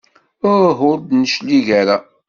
Uh ur d-neclig ara.